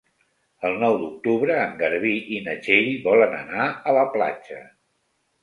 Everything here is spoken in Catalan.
El nou d'octubre en Garbí i na Txell volen anar a la platja.